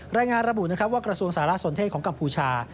รายงานระบุว่ากระทรวงสหรัฐสนเทศของกัมพูชา